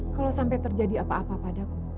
kalau sampai terjadi apa apa padaku